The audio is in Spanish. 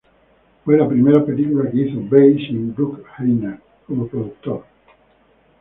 Fue la primera película que hizo Bay sin Bruckheimer como productor.